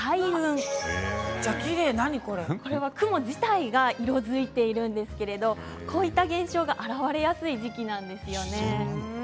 これは雲自体が色づいていますがこういった現象が現れやすい時期なんですね。